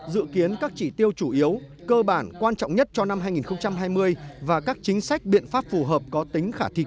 dự kiến các chỉ tiêu chủ yếu cơ bản quan trọng nhất cho năm hai nghìn hai mươi và các chính sách biện pháp phù hợp có tính khả thi cao